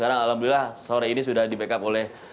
sekarang alhamdulillah sore ini sudah di backup oleh